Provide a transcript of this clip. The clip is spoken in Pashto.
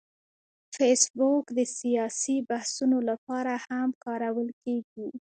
فېسبوک د سیاسي بحثونو لپاره هم کارول کېږي